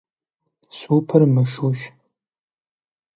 Супыр мышущ.